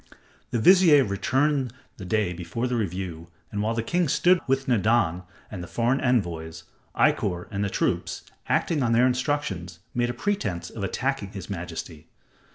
The vizier returned the day before the review, and while the king stood with Nadan and the foreign envoys, Ikkor and the troops, acting on their instructions, made a pretense of attacking his majesty.